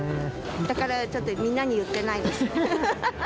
だからちょっとみんなに言ってないです。